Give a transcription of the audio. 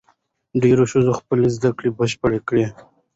ډېرو ښځو خپلې زدهکړې بشپړې کړې دي.